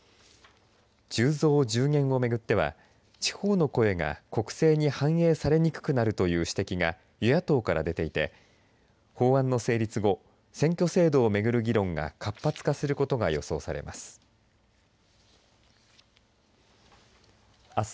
１０増１０減を巡っては地方の声が国政に反映されにくくなるという指摘が与野党から出ていて法案の成立後選挙制度を巡る議論が活発化することが予想されます。